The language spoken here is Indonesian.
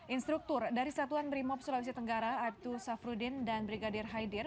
instruktur dari satuan brimob sulawesi tenggara aibtu safruddin dan brigadir haidir